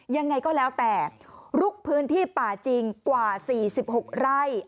ยังไงก็แล้วแต่ลุกพื้นที่ป่าจริงกว่า๔๖ไร่